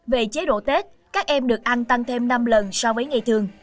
về chế độ tết các em được ăn tăng thêm năm lần so với ngày thường